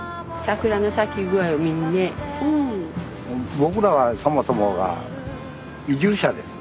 僕らはそもそもが移住者です。